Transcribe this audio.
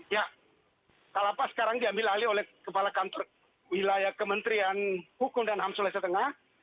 ya kalapas sekarang diambil alih oleh kepala kantor wilayah kementerian hukum dan ham sulawesi tengah